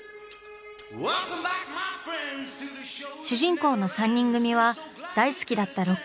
主人公の３人組は大好きだった